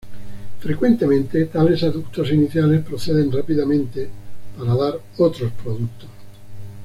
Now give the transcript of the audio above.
Frecuentemente, tales aductos iniciales proceden rápidamente para dar otros productos.